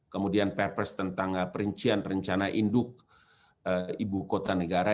kemudian perpres tentang perincian rencana induk ibu kota negara